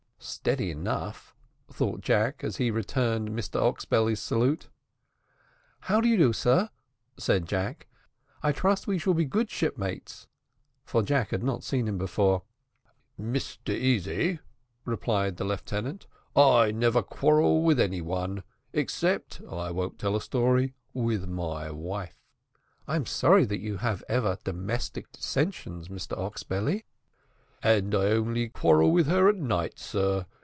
"Steady enough," thought Jack, as he returned Mr Oxbelly's salute. "How do you do, sir?" said Jack, "I trust we shall be good shipmates," for Jack had not seen him before. "Mr Easy," replied the lieutenant, "I never quarrel with any one, except (I won't tell a story) with my wife." "I am sorry that you have ever domestic dissensions, Mr Oxbelly." "And I only quarrel with her at night, sir.